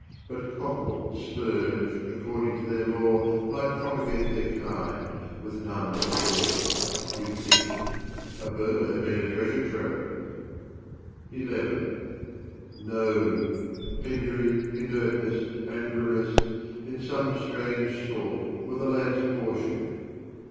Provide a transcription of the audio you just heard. But cockle, spurge, according to their law Might propagate their kind, with none to awe, You'd think; a bur had been a treasure trove. 60 No! penury, inertness, and grimace, In some strange sort, were the land's portion.